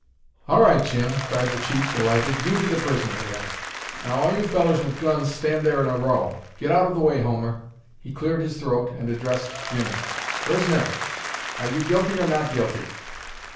"All right, Jim," cried the chief, delighted; "you be the prisoner, then. Now all you fellers with guns stand there in a row! Get out of the way, Homer!" He cleared his throat, and addressed Jimmie. "Prisoner, are you guilty or not guilty?"